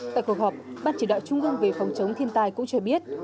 tại cuộc họp ban chỉ đạo trung ương về phòng chống thiên tai cũng cho biết